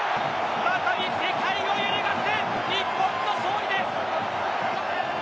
世界を揺るがす日本の勝利です。